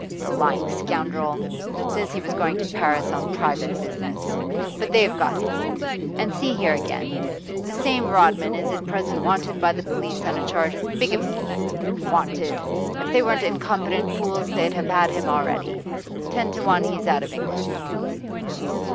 The lying scoundrel! Says he was going to Paris on private business. But they've got him! And see here again: "The same Rodman is at present wanted by the police on a charge of bigamy." Wanted! If they weren't incompetent fools they'd have had him already. Ten to one he's out of England.